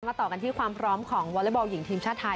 ต่อกันที่ความพร้อมของวอเล็กบอลหญิงทีมชาติไทย